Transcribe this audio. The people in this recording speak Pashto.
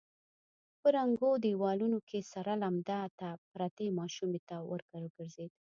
په ړنګو دېوالونو کې سره لمر ته پرتې ماشومې ته ور وګرځېد.